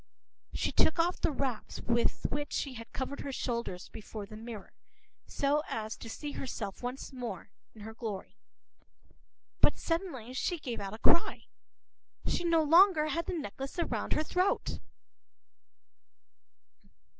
p>She took off the wraps with which she had covered her shoulders, before the mirror, so as to see herself once more in her glory. But suddenly she gave a cry. She no longer had the necklace around her throat!